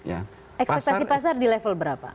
ekspektasi pasar di level berapa